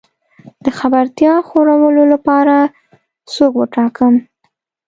د خبرتيا خورولو لپاره څوک وټاکم؟